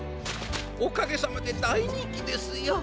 おかげさまでだいにんきですよ。